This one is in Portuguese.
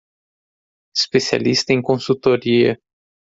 Especialista em consultoria